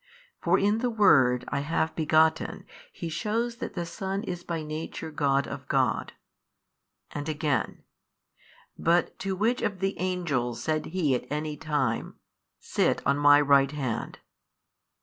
(for in the word I have begotten, He shews that the Son is by Nature God of God) and again, But to which of the Angels said He at any time, Sit on My Right Hand?